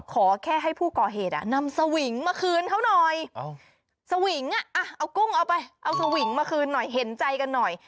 ขอแค่ให้ผู้ก่อเหตุนำสวิงมาคืนเขาหน่อยสวิงอ่ะเอากุ้งเอาไปเอาสวิงมาคืนหน่อยเห็นใจกันหน่อย